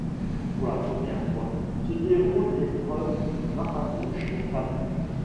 Pour la première fois se déroule l'épreuve du marathon chez les femmes.